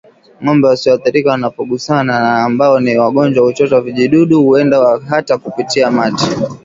Ngombe wasioathirika wanapogusana na ambao ni wagonjwa huchota vijidudu huenda hata kupitia mate